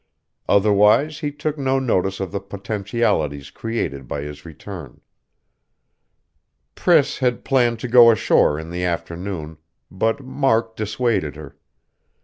Otherwise, he took no notice of the potentialities created by his return. Priss had planned to go ashore in the afternoon; but Mark dissuaded her.